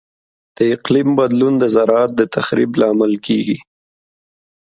د اقلیم بدلون د زراعت د تخریب لامل کیږي.